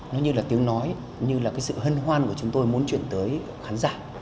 nó như là tiếng nói như là cái sự hân hoan của chúng tôi muốn chuyển tới khán giả